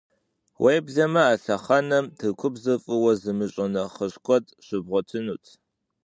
Уеблэмэ а лъэхъэнэм Тыркубзэр фӀыуэ зымыщӀэ нэхъыжь куэд щыбгъуэтынут.